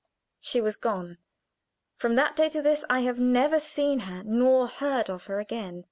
She was gone. From that day to this I have never seen her nor heard of her again.